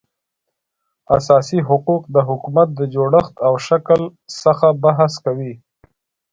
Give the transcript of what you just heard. اساسي حقوق د حکومت د جوړښت او شکل څخه بحث کوي